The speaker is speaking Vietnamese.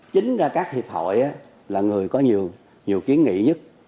chính ra các hiệp hội là người có nhiều nhiều kiến nghị nhất